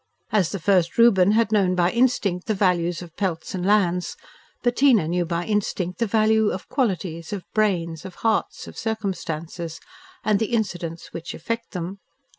As the first Reuben had known by instinct the values of pelts and lands, Bettina knew by instinct the values of qualities, of brains, of hearts, of circumstances, and the incidents which affect them.